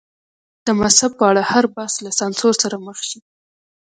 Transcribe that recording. د مذهب په اړه هر بحث له سانسور سره مخ شي.